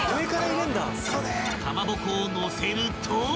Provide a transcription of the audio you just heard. ［かまぼこを載せると］